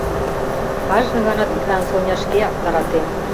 Кажне гана тидлан Соня шкеак таратен.